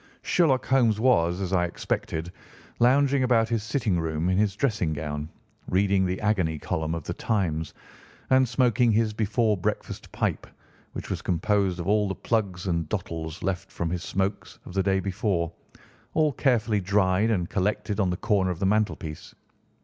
Sherlock Holmes was, as I expected, lounging about his sitting room in his dressing gown, reading the agony column of The Times and smoking his before breakfast pipe, which was composed of all the plugs and dottles left from his smokes of the day before, all carefully dried and collected on the corner of the mantelpiece.